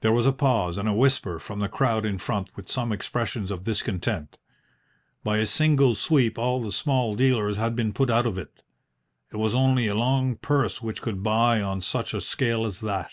There was a pause and a whisper from the crowd in front, with some expressions of discontent. By a single sweep all the small dealers had been put out of it. It was only a long purse which could buy on such a scale as that.